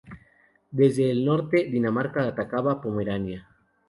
Desde el norte, Dinamarca atacaba Pomerania.